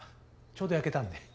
ちょうど焼けたんで。